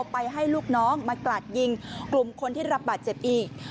ไปให้ลูกน้องมากราดยิงกลุ่มคนที่รับบาดเจ็บอีก